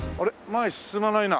前に進まないな。